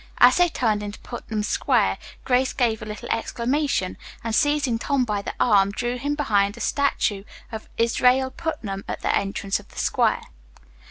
As they turned into Putnam Square, Grace gave a little exclamation, and seizing Tom by the arm, drew him behind a statue of Israel Putnam at the entrance of the square.